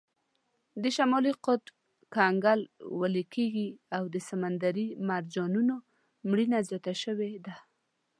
د شمالي قطب کنګل ویلې کیږي او د سمندري مرجانونو مړینه زیاته شوې ده.